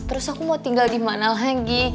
terus aku mau tinggal di mana lagi